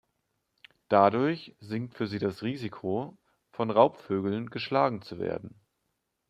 Dadurch sinkt für sie das Risiko, von Raubvögeln geschlagen zu werden.